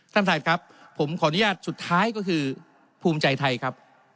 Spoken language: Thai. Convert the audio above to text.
ท่านท่านครับผมขออนุญาตสุดท้ายก็คือภูมิใจไทยครับ